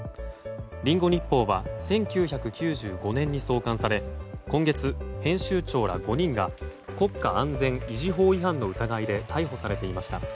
リンゴ日報は１９９５年に創刊され今月、編集長ら５人が国家安全維持法違反の疑いで逮捕されていました。